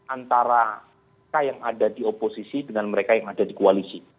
antara mereka yang ada di oposisi dengan mereka yang ada di koalisi